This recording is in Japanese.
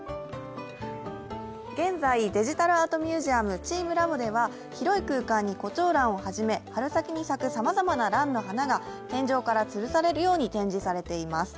現在、デジタルアートミュージアムチームラボでは広い空間に胡蝶蘭をはじめ春先に咲くさまざまな蘭の花が天井からつるされるように展示されています。